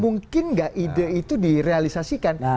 mungkin nggak ide itu direalisasikan